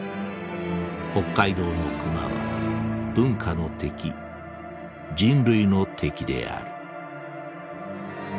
北海道の熊は文化の敵人類の敵である」。